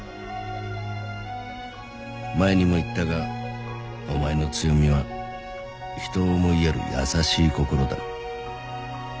「前にも言ったがお前の強みは人を思いやる優しい心だ」